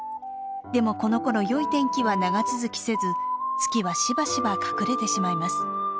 でもこのころよい天気は長続きせず月はしばしば隠れてしまいます。